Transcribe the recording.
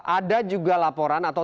ada juga laporan atau